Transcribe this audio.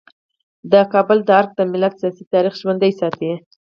د کابل ارګ د ملت سیاسي تاریخ ژوندی ساتي.